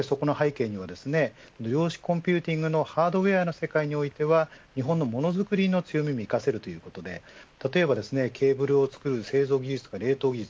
とりわけ、この背景には量子コンピューティングのハードウエアの世界においては日本のモノづくりの強みを生かせるということで例えばケーブルを作る製造技術や冷凍技術